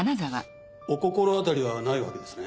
お心当たりはないわけですね？